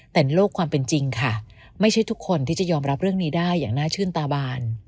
แต่ในโลกความเป็นจริงค่ะไม่ใช่ทุกคนที่จะยอมรับเรื่องนี้ได้อย่างน่าชื่นตาบาน